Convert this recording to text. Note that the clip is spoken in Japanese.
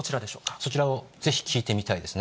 そちらをぜひ聞いてみたいですね。